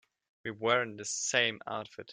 We were in the same outfit.